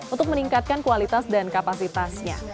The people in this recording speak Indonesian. untuk meningkatkan kualitas dan kapasitasnya